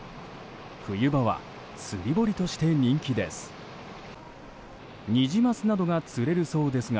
冬場は釣り堀として人気です。